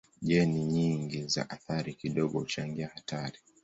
Jeni nyingi za athari kidogo huchangia hatari.